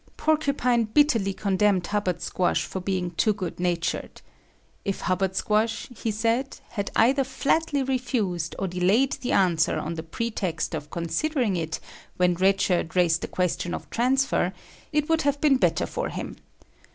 Porcupine bitterly condemned Hubbard Squash for being too good natured. If Hubbard Squash, he said, had either flatly refused or delayed the answer on the pretext of considering it, when Red Shirt raised the question of transfer, it would have been better for him.